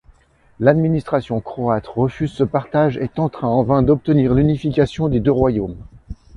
L’administration croate refuse ce partage et tentera en vain d’obtenir l’unification des deux royaumes.